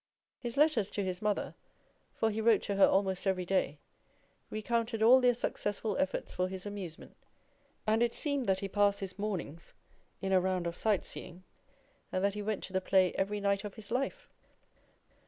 His letters to his mother, for he wrote to her almost every day, recounted all their successful efforts for his amusement, and it seemed that he passed his mornings in a round of sight seeing, and that he went to the play every night of his life.